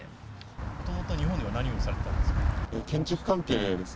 もともと日本では何をされて建築関係です。